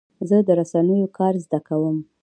زه د رسنیو کار زده کوم.